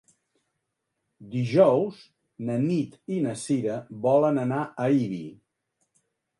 Dijous na Nit i na Sira volen anar a Ibi.